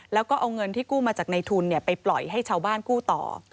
แล้วก็เอาเงินที่กู้มาจากในทุนไปปล่อยให้ชาวบ้านกู้ต่อ